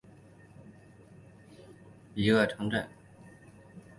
兰德韦尔是德国下萨克森州的一个市镇。